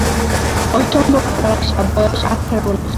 অসম্ভব ফরাসা, বয়স আঠার-উনিশ।